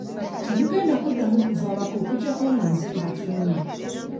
Temugenda kuddamu kuva waka okuggyako nga nze mbatumye.